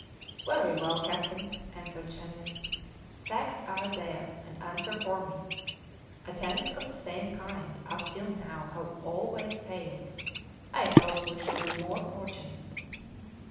"Very well, captain," answered Shandon, "facts are there, and answer for me; attempts of the same kind up till now have always failed; I hope we shall be more fortunate."